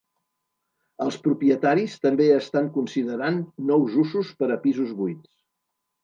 Els propietaris també estan considerant nous usos per a pisos buits.